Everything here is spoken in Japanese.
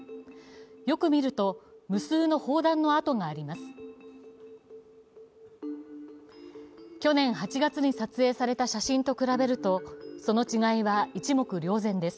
よく見ると、無数の砲弾の跡があります。